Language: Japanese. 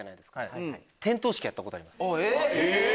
えっ！